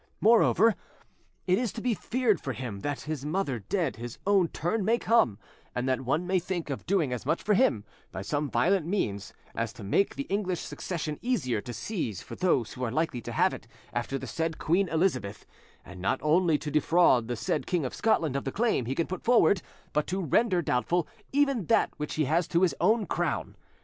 Moreover, it is to be feared for him, that, his mother dead, his own turn may come, and that one may think of doing as much for him, by some violent means, to make the English succession easier to seize for those who are likely to have it after the said Queen Elizabeth, and not only to defraud the said King of Scotland of the claim he can put forward, but to render doubtful even that which he has to his own crown.